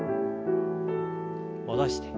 戻して。